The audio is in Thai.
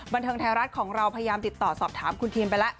บันเทิงไทยรัฐของเราพยายามติดต่อสอบถามคุณทีมไปแล้ว